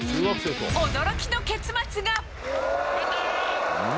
驚きの結末が。